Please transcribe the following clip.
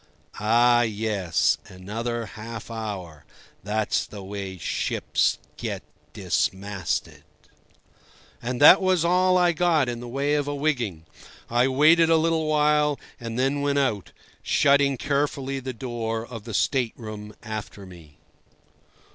"Ah, yes, another half hour. That's the way ships get dismasted." And that was all I got in the way of a wigging. I waited a little while and then went out, shutting carefully the door of the state room after me.